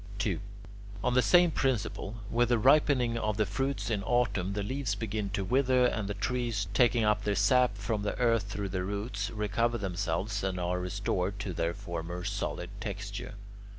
2. On the same principle, with the ripening of the fruits in Autumn the leaves begin to wither and the trees, taking up their sap from the earth through the roots, recover themselves and are restored to their former solid texture.